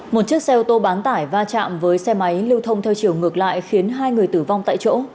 một chiếc xe ô tô bán tải va chạm với xe máy lưu thông theo chiều ngược lại khiến hai người tử vong tại chỗ